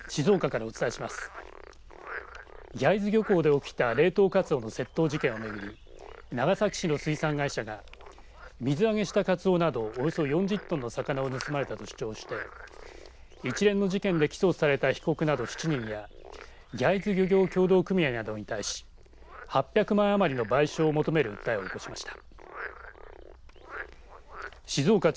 焼津漁港で起きた冷凍かつおの窃盗事件を巡り長崎市の水産会社が水揚げしたかつおなどおよそ４０キロの魚を盗まれたとして一連の事件で起訴された被告など７人や焼津漁協協同組合などに対し８００万円余りの賠償を求める訴えを起こしました。